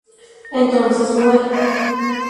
Entonces muere.